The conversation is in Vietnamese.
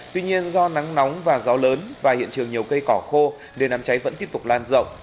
tuy nhiên do nắng nóng và gió lớn và hiện trường nhiều cây cỏ khô nên đám cháy vẫn tiếp tục lan rộng